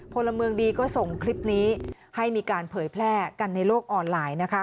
พลเมืองดีก็ส่งคลิปนี้ให้มีการเผยแพร่กันในโลกออนไลน์นะคะ